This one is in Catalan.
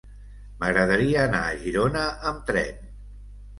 M'agradaria anar a Girona amb tren.